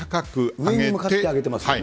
上に向かって上げてますよね。